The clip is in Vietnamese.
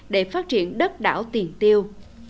để phát triển đất đảo tiền tiêu